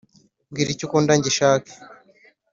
mbwira icyo ukunda ngishake